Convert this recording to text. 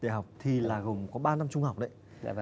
đại học thì là gồm có ba năm trung học đấy